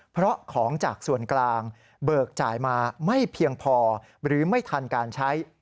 เพราะของจากส่วนกลางเบิกจ่ายมาไม่เพียงพอหรือไม่ทันการใช้